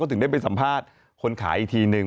ถึงได้ไปสัมภาษณ์คนขายอีกทีนึง